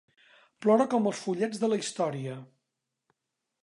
Plora com els follets de la història.